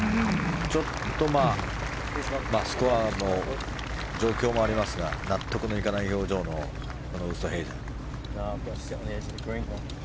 ちょっとスコアの状況もありますが納得のいかない表情のこのウーストヘイゼン。